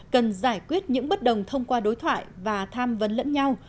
cần giải quyết những bất đồng thông qua đối thoại và tham vấn lẫn nhau